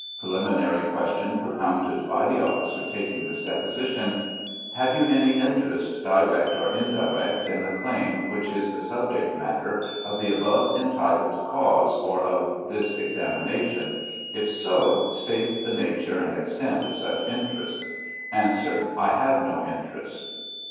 Preliminary question propounded by the officer tak ing this deposition: Have you any interest, direct or indirect, in the claim which is the subject matter of the above entitled cause, or of this examination ? If so, state the nature and ex tent of such interest. Answer. I have no interest.